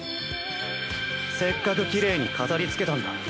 せっかくきれいに飾りつけたんだ。